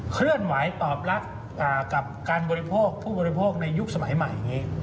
เคลื่อนไหวตอบรับกับการบริโภคผู้บริโภคในยุคสมัยใหม่นี้